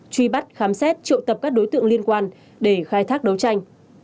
truy bắt khám xét triệu tập các đối tượng liên quan để khai thác đấu tranh